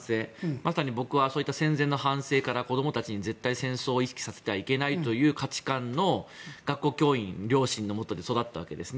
まさに僕は戦前の反省から子供たちに絶対、戦争を見聞きさせてはいけないという価値観の学校教員、両親のもとで育ったわけですね。